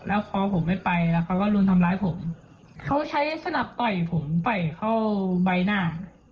แล้วพอผมไม่ไปแล้วเขาก็รุมทำร้ายผมเขาใช้สนับต่อยผมต่อยเข้าใบหน้า